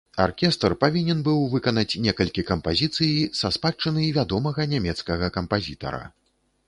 Аркестр павінен быў выканаць некалькі кампазіцыі са спадчыны вядомага нямецкага кампазітара.